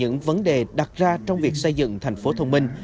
các vấn đề đặt ra trong việc xây dựng tp thông minh